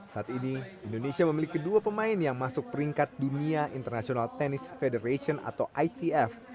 saat ini indonesia memiliki dua pemain yang masuk peringkat dunia internasional tennis federation atau itf